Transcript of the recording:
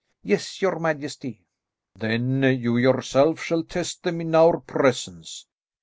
"Yes, your majesty." "Then you yourself shall test them in our presence."